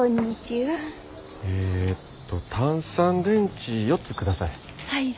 えっと単三電池４つください。